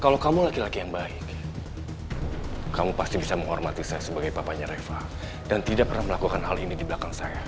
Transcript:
kalau kamu laki laki yang baik kamu pasti bisa menghormati saya sebagai papanya reva dan tidak pernah melakukan hal ini di belakang saya